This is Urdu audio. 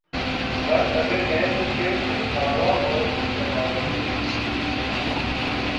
بس اگر ہے تو صرف دکھاوا اور بناوٹ